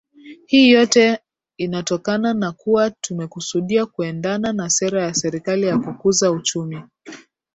Hii yote inatokana na kuwa tumekusudia kuendana na sera ya Serikali ya kukuza uchumi